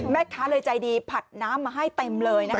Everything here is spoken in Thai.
แม่ค้าเลยใจดีผัดน้ำมาให้เต็มเลยนะคะ